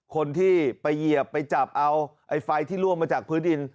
คนที่ไปเหยียบไปจับเอาไอ้ไฟที่ล่วงมาจากพื้นดิน